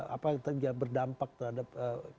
apa yang terjadi berdampak terhadap